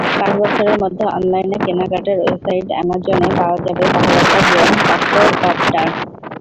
পাঁচ বছরের মধ্যে অনলাইনে কেনাকাটার ওয়েবসাইট অ্যামাজনে পাওয়া যাবে পাহারাদার ড্রোন অক্টোকপ্টার।